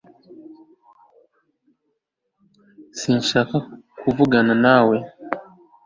sinshaka kuvugana nawe